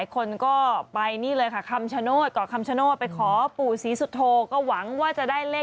วันนี้ไปแต่เช้าคุณผู้ชมแต่เช้าคุณผู้ชมแต่เช้าคุณผู้ชมแต่เช้า